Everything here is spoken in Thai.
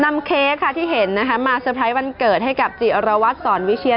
เค้กค่ะที่เห็นนะคะมาเตอร์ไพรส์วันเกิดให้กับจิรวัตรสอนวิเชียน